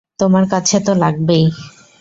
তোমার কাছে তো লাগবেই।